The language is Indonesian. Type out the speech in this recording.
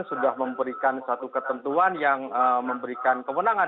sudah memberikan satu ketentuan yang memberikan kewenangan